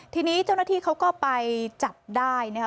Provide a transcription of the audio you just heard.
ทีนี้เจ้าหน้าที่เขาก็ไปจับได้นะคะ